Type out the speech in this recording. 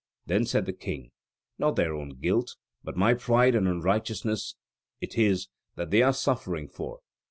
Then said the king: "Not their own guilt, but my pride and unrighteousness it is that they are suffering for.